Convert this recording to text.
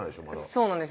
そうなんですよ